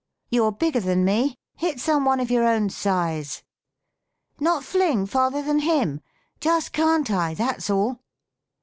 vou're bigger than me. Hit some one of your own siae!" " Not fling farther than him? just can't I, that's all